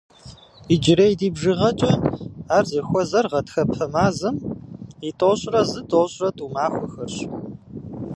Иджырей ди бжыгъэкӏэ ар зыхуэзэр гъатхэпэ мазэм и тӏощӏрэ зы-тӏощӏрэ тӏу махуэхэрщ.